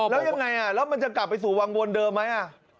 แล้วยังไงแล้วมันจะกลับไปสู่วังวนเดิมไหม